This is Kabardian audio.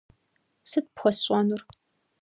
- Сыт пхуэсщӏэнур?